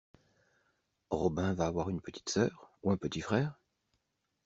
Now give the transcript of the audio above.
Robin va avoir une petite sœur? Ou un petit frère ?